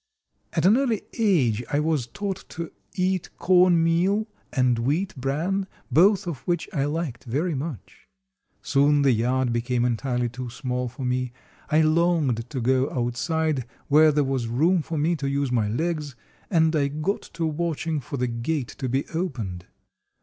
At an early age I was taught to eat cornmeal and wheat bran, both of which I liked very much. Soon the yard became entirely too small for me. I longed to go outside, where there was room for me to use my legs, and I got to watching for the gate to be opened.